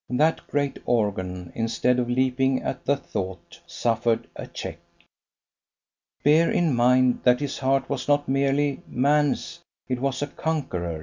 That great organ, instead of leaping at the thought, suffered a check. Bear in mind that his heart was not merely man's, it was a conqueror's.